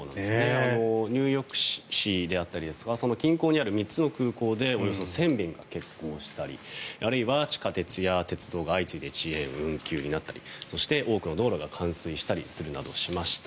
ニューヨーク市であったりその近郊にある３つの空港でおよそ１０００便が欠航したりあるいは地下鉄や鉄道が相次いで遅延・運休になったりそして多くの道路が冠水するなどしました。